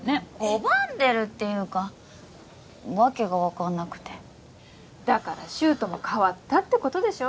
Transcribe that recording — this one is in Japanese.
拒んでるっていうか訳が分かんなくてだから柊人も変わったってことでしょ